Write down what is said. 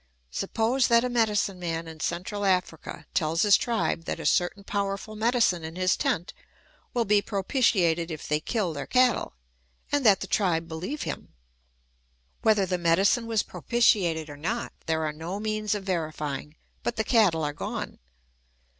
Suppose tliat a medicine man in Central Africa tells his tribe that a certain powerfril medicine in his tent will be propitiated if they kill their cattle ; and that the tribe beheve him. Whether the medicine was propitiated or not, there are no means of verifying, but the cattle are gone.